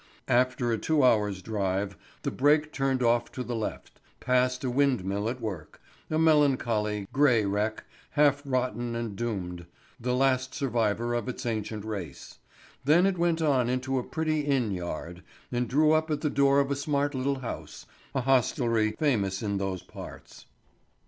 After a two hours' drive the break turned off to the left, past a windmill at work—a melancholy, gray wreck, half rotten and doomed, the last survivor of its ancient race; then it went into a pretty inn yard, and drew up at the door of a smart little house, a hostelry famous in those parts.